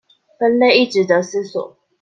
分類亦値得思索